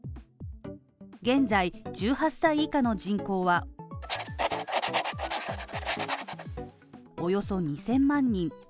現在１８歳以下の人口はおよそ２０００万人